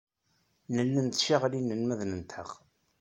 Nella nettcaɣli inelmaden-nteɣ.